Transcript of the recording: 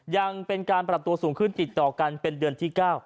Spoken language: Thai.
ยังเป็นการปรับตัวสูงขึ้นติดต่อกันเป็นเดือนที่๙